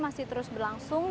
masih terus berlangsung